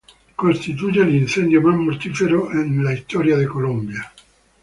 Constituye el incendio más mortífero de la historia de Colombia.